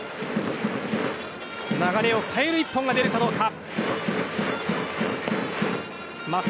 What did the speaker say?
流れを変える一本が出るかどうか。